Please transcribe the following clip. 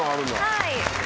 はい。